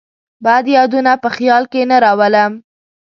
بد یادونه په خیال کې نه راولم.